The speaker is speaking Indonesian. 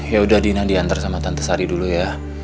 yaudah dina diantar sama tante sari dulu ya